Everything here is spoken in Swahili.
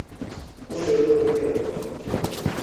Kumbe wewe pia uko nje